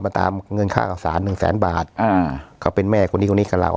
ตามเงินค่ากับสารหนึ่งแสนบาทอ่าเขาเป็นแม่คนนี้คนนี้กับเรา